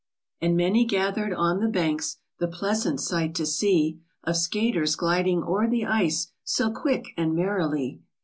And many gather'd on the banks The pleasant sight to see, Of skaters gliding o'er the ice So quick and merrily.